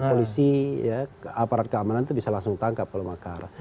polisi aparat keamanan itu bisa langsung tangkap kalau makar